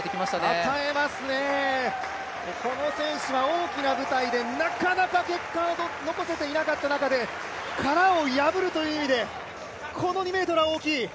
与えますね、この選手は大きな舞台でなかなか結果を残せていなかった中で殻を破るという意味でこの２ｍは大きい！